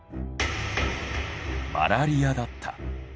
マラリアだった。